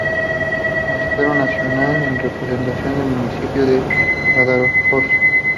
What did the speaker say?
Consejero Nacional en representación del municipio de Badajoz.